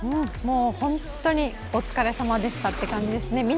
もう本当にお疲れさまでしたって感じですね。